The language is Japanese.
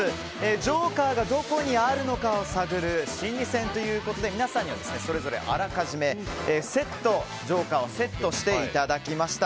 ジョーカーがどこにあるのかを探る心理戦ということで皆さんには、それぞれあらかじめ、ジョーカーをセットしていただきました。